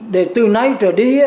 để từ nay trở đi